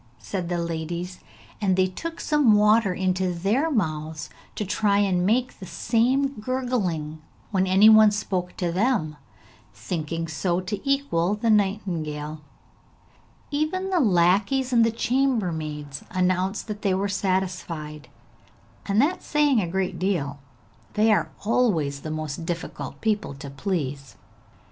said the ladies, and they took some water into their mouths to try and make the same gurgling when any one spoke to them, thinking so to equal the nightingale. Even the lackeys and the chambermaids announced that they were satisfied, and that is saying a great deal; they are always the most difficult people to please.